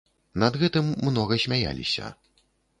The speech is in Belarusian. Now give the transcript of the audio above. Над гэтым многа смяяліся.